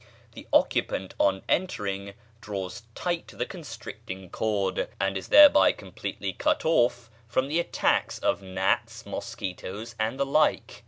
The occupant on entering draws tight the constricting cord, and is thereby completely cut off from the attacks of gnats, mosquitoes, and the like.